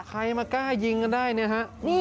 ใครมากล้ายยิงกันได้นะคะ